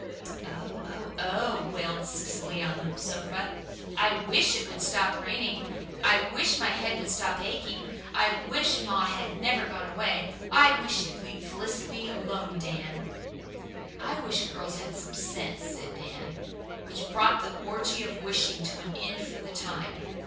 '" "Oh, oh, oh," wailed Cecily on the sofa. "I WISH it would stop raining. I WISH my head would stop aching. I WISH ma had never gone away. I WISH you'd leave Felicity alone, Dan." "I wish girls had some sense," said Dan which brought the orgy of wishing to an end for the time.